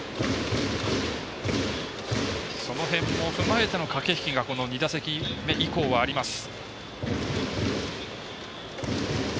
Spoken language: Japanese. その辺も踏まえての駆け引きが２打席目以降はあります。